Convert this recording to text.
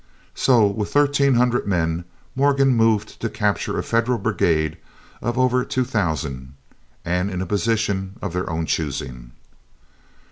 So with thirteen hundred men Morgan moved to capture a Federal brigade of over two thousand, and in a position of their own choosing.